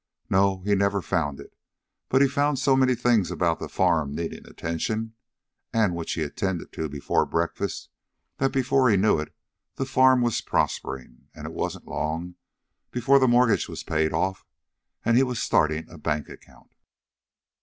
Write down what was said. "No; he never found it, but he found so many things about the farm needing attention, and which he attended to before breakfast, that before he knew it the farm was prospering, and it wasn't long before the mortgage was paid off and he was starting a bank account."